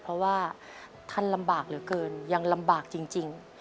เพราะว่าท่านลำบากเหลือเกินยังลำบากจริง